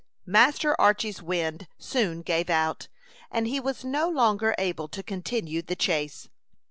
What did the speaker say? Master Archy's wind soon gave out, and he was no longer able to continue the chase.